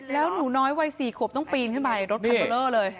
แล้วหนูน้อยวัย๔ขวบต้องปีนขึ้นไปรถคันเบอร์เลอร์เลย